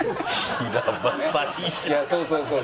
いやそうそうそう。